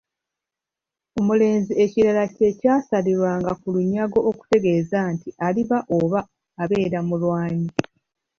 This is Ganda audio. Omulenzi ekirira kye kyasalirwanga ku lunyago okutegeeza nti aliba oba abeere mulwanyi.